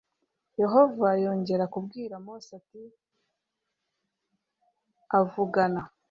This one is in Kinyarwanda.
yehova yongera kubwira mose ati avugana